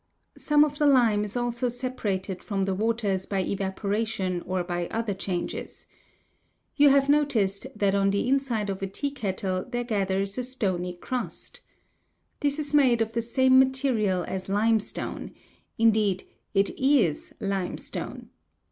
Some of the lime is also separated from the waters by evaporation or by other changes. You have noticed that on the inside of a tea kettle there gathers a stony crust. This is made of the same material as limestone indeed, it is limestone.